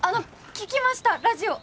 聴きましたラジオ！